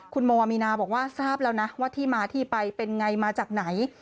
คุณโมวามีนาบอกว่าทราบแล้วนะว่าที่มาที่ไปเป็นไงมาจากไหน